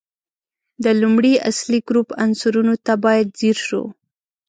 د لومړي اصلي ګروپ عنصرونو ته باید ځیر شو.